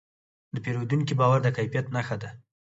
د پیرودونکي باور د کیفیت نښه ده.